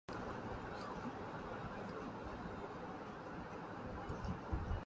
He was a Fellow of The Radio Academy, and lived in Kent.